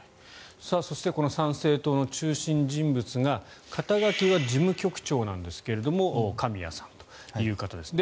そしてこの参政党の中心人物が肩書は事務局長なんですが神谷さんという方です。